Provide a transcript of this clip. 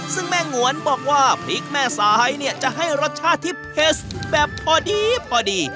ซึ่งแม่งวนบอกว่าพริกแม่สายเนี่ยจะให้รสชาติที่เผ็ดแบบพอดีพอดี